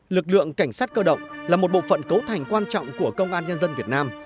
lực lượng cảnh sát cơ động là một bộ phận cấu thành quan trọng của công an nhân dân việt nam